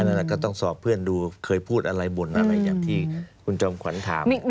ก็ต้องสอบเพื่อนดูเคยพูดอะไรบ่นอะไรอย่างที่คุณจอมขวัญถาม